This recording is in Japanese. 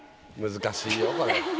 難しいよこれ。